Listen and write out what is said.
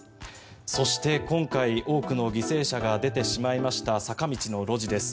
そして今回多くの犠牲者が出てしまいました坂道の路地です。